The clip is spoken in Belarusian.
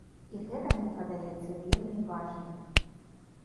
І гэта мне падаецца вельмі важным.